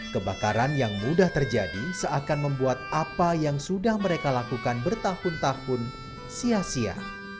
kebakaran yang mudah terjadi seakan membuat apa yang sudah mereka lakukan bertahun tahun sia sia